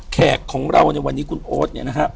แขกของเราเนี่ยวันนี้คุณโอ๊ตเนี่ยนะครับ